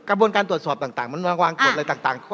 กระบวนการตรวจสอบต่างมันมาวางกฎอะไรต่าง